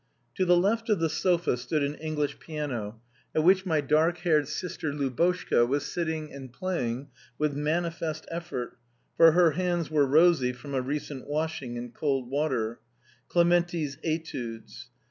To the left of the sofa stood an English piano, at which my dark haired sister Lubotshka was sitting and playing with manifest effort (for her hands were rosy from a recent washing in cold water) Clementi's "Etudes."